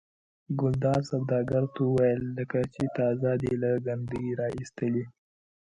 ګلداد سوداګر ته وویل لکه چې تازه دې له کندې را ایستلي.